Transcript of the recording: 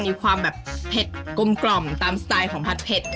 มีความแบบเผ็ดกลมตามสไตล์ของผัดเผ็ด